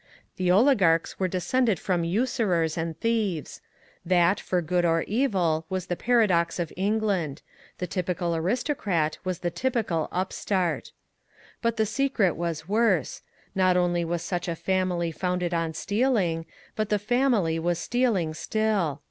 The oligarchs were descended from usurers and thieves. That, for good or evil, was the paradox of England; the typical aristocrat was the typical upstart. But the secret was worse; not only was such a family founded on stealing, but the family was stealing still.